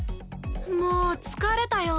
もう疲れたよ。